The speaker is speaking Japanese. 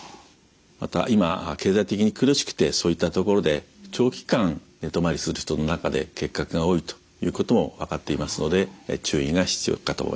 また今経済的に苦しくてそういった所で長期間寝泊まりする人の中で結核が多いということも分かっていますので注意が必要かと思います。